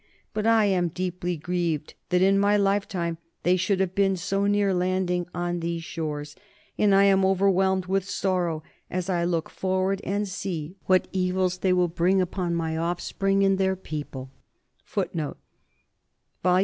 But I am deeply grieved that in my life time they should have been so near landing on these shores, and I am overwhelmed with sorrow as I look forward and see what evils they will bring upon my offspring and their people."